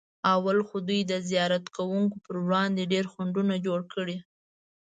اول خو دوی د زیارت کوونکو پر وړاندې ډېر خنډونه جوړ کړي.